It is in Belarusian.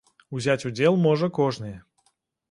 Узяць удзел можа кожны.